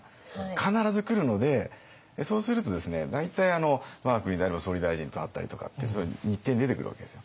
必ず来るのでそうするとですね大体我が国であれば総理大臣と会ったりとかって日程に出てくるわけですよ。